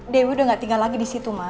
dewi udah gak tinggal lagi disitu ma